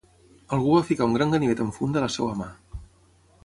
Algú va ficar un gran ganivet amb funda a la seva mà.